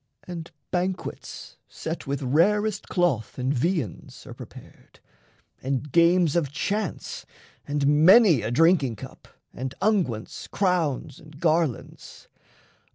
And banquets, set With rarest cloth and viands, are prepared And games of chance, and many a drinking cup, And unguents, crowns and garlands.